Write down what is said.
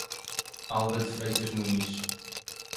Alda de Freitas Muniz